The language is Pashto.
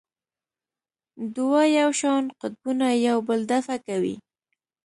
دوه یو شان قطبونه یو بل دفع کوي.